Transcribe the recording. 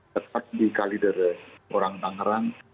tetap dikali dari orang orang